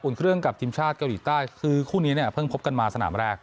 เครื่องกับทีมชาติเกาหลีใต้คือคู่นี้เนี่ยเพิ่งพบกันมาสนามแรก